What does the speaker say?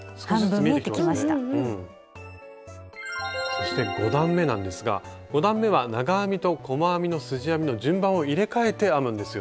そして５段めなんですが５段めは長編みと細編みのすじ編みの順番を入れかえて編むんですよね。